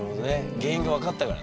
原因が分かったからね。